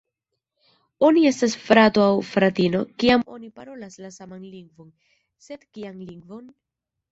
Oni estas frato aŭ fratino, kiam oni parolas la saman lingvon, sed kian lingvon?